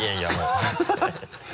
ハハハ